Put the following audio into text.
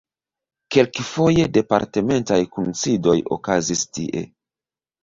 Kelkfoje departementaj kunsidoj okazis tie.